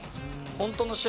本当の試合